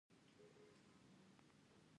ګاونډیان شتون لري